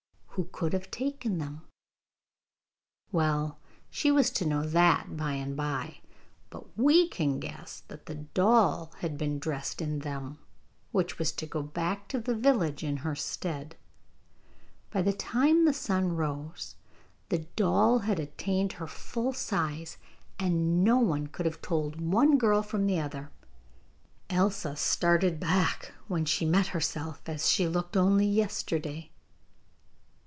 Who could have taken them? Well, she was to know that by and by. But WE can guess that the doll had been dressed in them, which was to go back to the village in her stead. By the time the sun rose the doll had attained her full size, and no one could have told one girl from the other. Elsa started back when she met herself as she looked only yesterday.